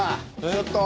ちょっと！